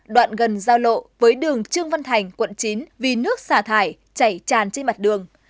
đoạn gần giao lộ với đường trương văn thành quận chín vì nước xả thải chảy tràn trên mặt đường